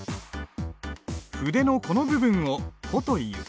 筆のこの部分を穂という。